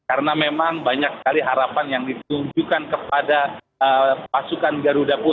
karena memang banyak sekali harapan yang ditunjukkan kepada pasukan garuda pucu